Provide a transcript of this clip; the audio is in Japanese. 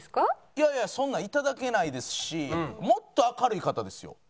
いやいやそんな頂けないですしもっと明るい方ですよ。